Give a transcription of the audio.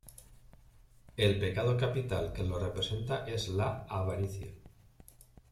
El pecado capital que lo representa es la Avaricia.